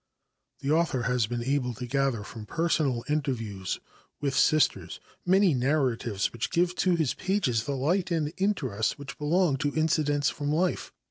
The author has been able to gather from personal interviews with Sisters many narratives which give to his pages the light and interest which belong to incidents from life.